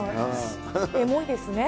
エモいですね。